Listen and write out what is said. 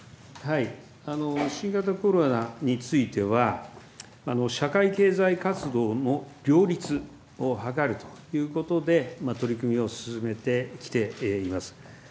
新型コロナについては社会経済活動の両立を図るということで、取り組みを進めてきています。